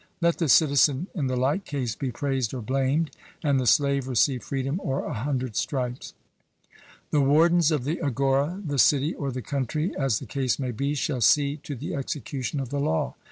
Let the citizen in the like case be praised or blamed, and the slave receive freedom or a hundred stripes. The wardens of the agora, the city, or the country, as the case may be, shall see to the execution of the law.